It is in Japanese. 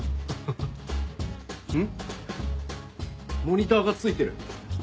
モニターがついてる。